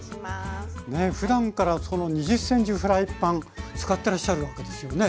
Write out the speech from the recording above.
ふだんから２０ｃｍフライパン使ってらっしゃるわけですよね？